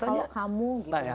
kalau kamu gitu misalnya